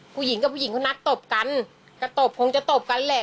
ผู้หญิงกับผู้หญิงเขานัดตบกันก็ตบคงจะตบกันแหละ